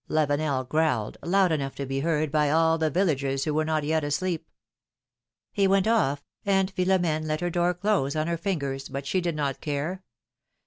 Lavenel growled, loud enough to be heard by all the villagers who were not yet asleep. He went off, and Philomene let her door close on her fingers, but she did not care.